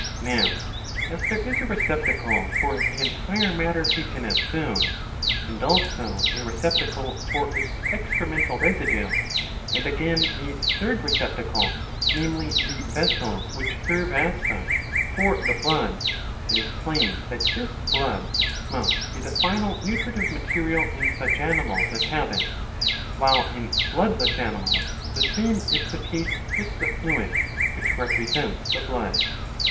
^^ Now as there is a receptacle for the entire matter taken as food, and also a receptacle for its excremental residue, and again a third receptacle, namely the vessels, which serve as such for the blood, it is plain that this blood must be the final nutritive material in such animals as have it ; while in bloodless animals the same is the case with the fluid which represents the blood.